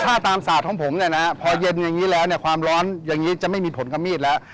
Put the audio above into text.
ถ้าตามศาสตร์ของผมเนี่ยนะพอเย็นอย่างนี้แล้วเนี่ยความร้อนอย่างนี้จะไม่มีผลกับมีดแล้ว